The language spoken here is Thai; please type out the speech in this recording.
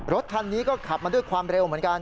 รถคันนี้ก็ขับมาด้วยความเร็วเหมือนกัน